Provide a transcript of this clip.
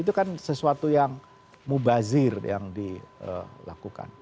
itu kan sesuatu yang mubazir yang dilakukan